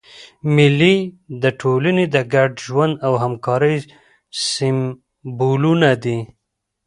مېلې د ټولني د ګډ ژوند او همکارۍ سېمبولونه دي.